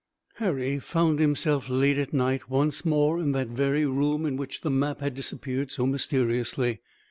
Harry found himself late at night once more in that very room in which the map had disappeared so mysteriously.